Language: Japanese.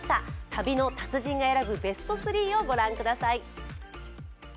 旅の達人が選ぶベスト３を御覧ください。